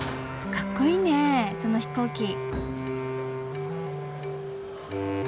かっこいいねその飛行機。